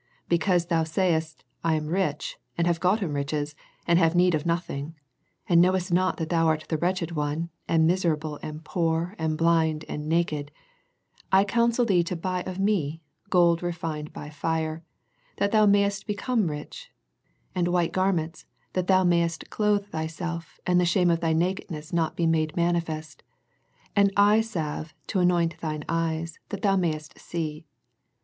Because thou sayest, I am rich, and have gotten riches, and have need of nothing ; and knowest not that thou art the wretched one and miserable and poor and blind and naked : I counsel thee to buy of Me gold refined by fire, that thou mayest become rich ; and white garments, that thou mayest clothe thyself, and that the shame of thy nakedness be not made manifest; and eye salve to anoint thine eyes, that thou mayest see.